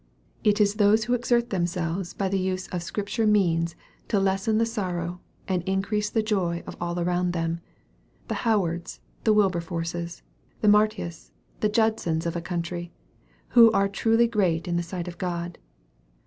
It is those who exert themselves by the use of Scripture means to lessen the sorrow, and increase the joy of all around them the Howards, the Wilberforces, the Martyns, the Judsons of a country who are truly great in the sight of God.